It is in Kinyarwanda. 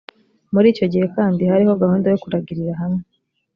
muri icyo gihe kandi hariho gahunda yo kuragirira hamwe